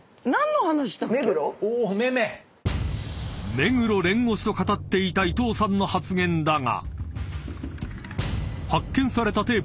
［目黒蓮推しと語っていたいとうさんの発言だが］